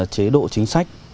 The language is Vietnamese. chế độ chính sách